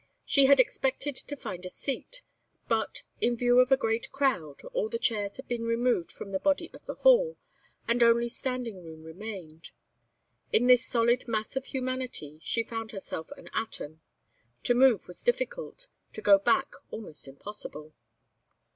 She had expected to find a seat, but, in view of a great crowd, all the chairs had been removed from the body of the hall, and only standing room remained. In this solid mass of humanity she found herself an atom. To move was difficult; to go back almost impossible.